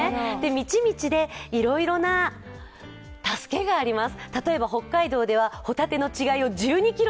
道々で、いろいろな助けがあります